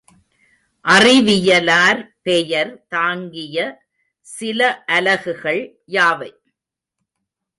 அறிவியலார் பெயர் தாங்கிய சில அலகுகள் யாவை?